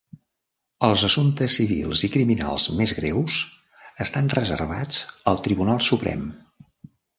Els assumptes civils i criminals més greus estan reservats al Tribunal Suprem.